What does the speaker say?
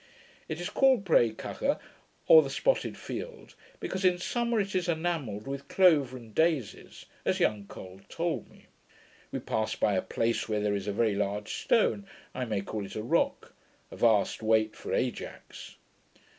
It is called Breacacha, or the Spotted Field, because in summer it is enamelled with clover and daisies, as young Col told me. We passed by a place where there is a very large stone, I may call it a ROCK 'a vast weight for Ajax'.